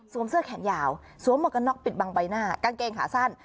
เสื้อแขนยาวสวมหมวกกันน็อกปิดบังใบหน้ากางเกงขาสั้น